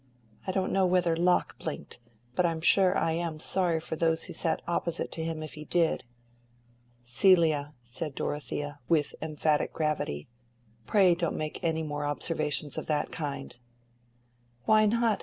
I don't know whether Locke blinked, but I'm sure I am sorry for those who sat opposite to him if he did." "Celia," said Dorothea, with emphatic gravity, "pray don't make any more observations of that kind." "Why not?